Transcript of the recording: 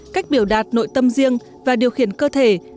cách biểu đạt nội tâm riêng và điều khiển cơ thể